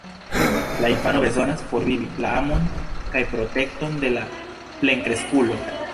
La infano bezonas por vivi la amon kaj protekton de la plenkreskulo.